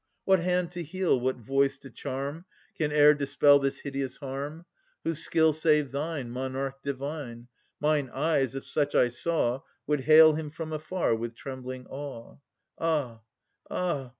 What hand to heal, what voice to charm, Can e'er dispel this hideous harm? Whose skill save thine, Monarch Divine? Mine eyes, if such I saw, Would hail him from afar with trembling awe. Ah! ah!